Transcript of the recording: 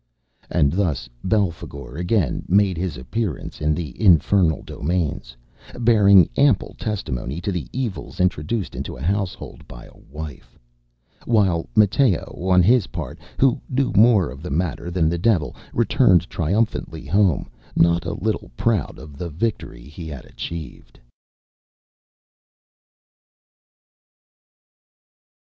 And thus Belphagor again made his appearance in the infernal domains, bearing ample testimony to the evils introduced into a household by a wife; while Matteo, on his part, who knew more of the matter than the devil, returned triumphantly home, not a little proud of the victory he had achieved.